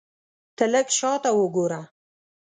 ته لږ شاته وګوره !